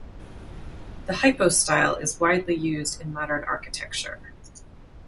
The hypostyle is widely used in modern architecture.